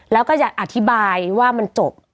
แล้วก็อยากอธิบายว่ามันจบ